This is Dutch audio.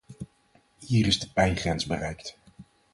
Hier is de pijngrens bereikt.